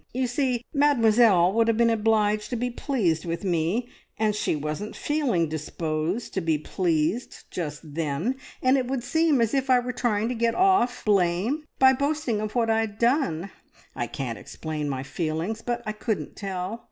You see Mademoiselle would have been obliged to be pleased with me, and she wasn't feeling disposed to be pleased just then, and it would seem as if I were trying to get off blame, by boasting of what I'd done. I can't explain my feelings, but I couldn't tell!